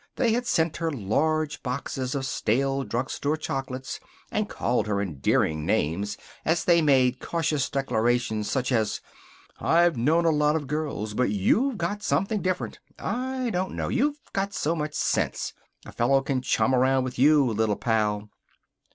They had sent her large boxes of stale drugstore chocolates, and called her endearing names as they made cautious declarations such as: "I've known a lot of girls, but you've got something different. I don't know. You've got so much sense. A fellow can chum around with you. Little pal."